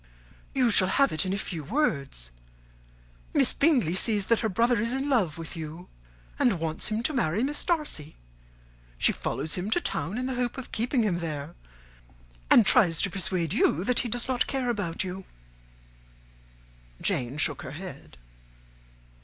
"You shall have it in a few words. Miss Bingley sees that her brother is in love with you and wants him to marry Miss Darcy. She follows him to town in the hope of keeping him there, and tries to persuade you that he does not care about you." Jane shook her head.